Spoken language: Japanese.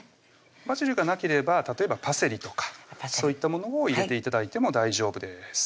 バジルがなければ例えばパセリとかそういったものを入れて頂いても大丈夫です